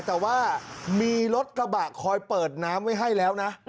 แต่ว่ามีรถกระบะคอยเปิดน้ำไว้ให้แล้วนะ